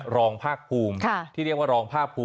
รองภาษฐภูมิค่ะที่เรียกว่ารองภาษฐภูมิ